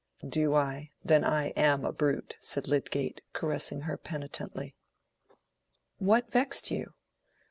"Do I? Then I am a brute," said Lydgate, caressing her penitently. "What vexed you?"